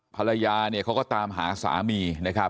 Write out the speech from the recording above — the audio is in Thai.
ภรรยาเนี่ยเขาก็ตามหาสามีนะครับ